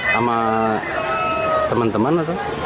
sama teman teman atau